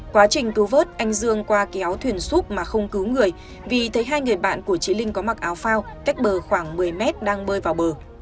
quá trình cứu vớt anh dương qua kéo thuyền súp mà không cứu người vì thấy hai người bạn của chị linh có mặc áo phao cách bờ khoảng một mươi mét đang bơi vào bờ